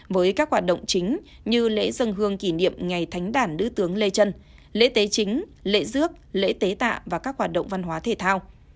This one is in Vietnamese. với các hoạt động chính như lễ dân hương kỷ niệm ngày thánh đản nữ tướng lê trân lễ tế chính lễ dước lễ tế tạ và các hoạt động văn hóa thể thao